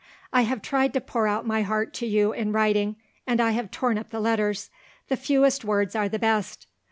"I have tried to pour out my heart to you in writing and I have torn up the letters. The fewest words are the best.